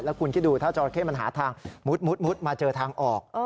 คุณคิดดูถ้าจราเข้มันหาทางมุดมาเจอทางออก